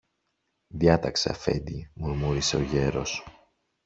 Διάταξε, Αφέντη, μουρμούρισε ο γέρος.